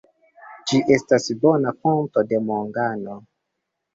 Ĝi estas bona fonto de mangano.